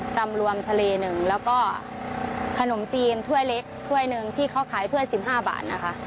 ตำรวมทะเลหนึ่งแล้วก็ขนมจีนถ้วยเล็กถ้วยหนึ่งที่เขาขายถ้วย๑๕บาทนะคะ